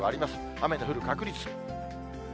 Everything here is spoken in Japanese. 雨の降る確率。